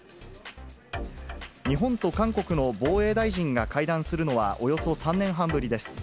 日本と韓国の防衛大臣が会談するのは、およそ３年半ぶりです。